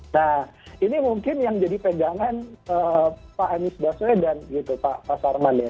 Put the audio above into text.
nah ini mungkin yang jadi pegangan pak anies baswedan gitu pak sarman ya